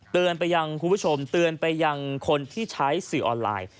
ไปยังคุณผู้ชมเตือนไปยังคนที่ใช้สื่อออนไลน์